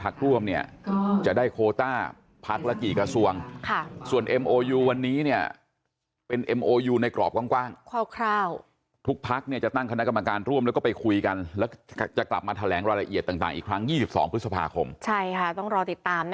ต้องรอติดตามนะค่ะ